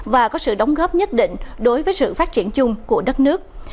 và có sự đóng góp nhất định đối với sự phát triển chung của đất nước